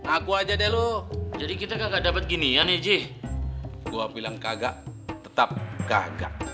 aku aja deh lu jadi kita gak dapat ginian nih ji gua bilang kagak tetap kagak